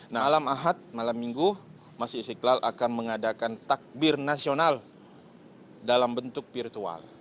nah alam ahad malam minggu masjid istiqlal akan mengadakan takbir nasional dalam bentuk virtual